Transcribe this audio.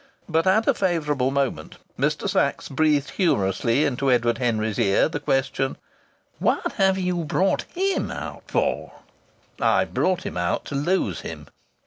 But at a favourable moment Mr. Sachs breathed humorously into Edward Henry's ear the question: "What have you brought him out for?" "I've brought him out to lose him."